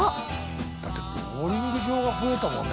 だってボウリング場が増えたもんね